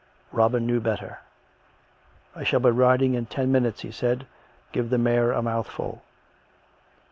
Robin knew better. " I shall be riding in ten minutes," he said; "give the mare a mouthful."